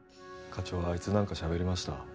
課長あいつ何かしゃべりました？